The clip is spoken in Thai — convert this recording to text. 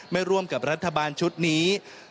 ร่วมกับรัฐบาลชุดนี้